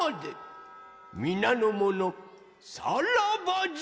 みなのものさらばじゃ！